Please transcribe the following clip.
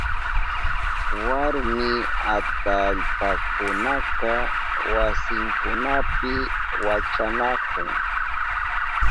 Warmi atallpakunaka wasinkunapi wachanahun.